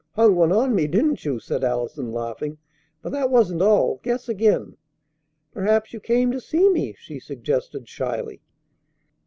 "Hung one on me, didn't you?" said Allison, laughing. "But that wasn't all. Guess again." "Perhaps you came to see me," she suggested shyly.